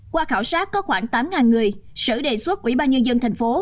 qua khảo sát có khoảng tám người sở đề xuất quỹ ba nhân dân thành phố